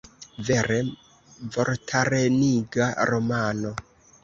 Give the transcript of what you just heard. Vere vortareniga romano!